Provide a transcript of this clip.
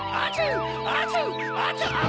あっ！